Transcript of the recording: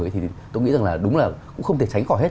thì tôi nghĩ rằng là đúng là cũng không thể tránh khỏi hết